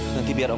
nanti biar om